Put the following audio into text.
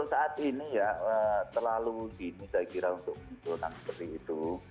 ya untuk saat ini ya terlalu gini saya kira untuk munculkan seperti itu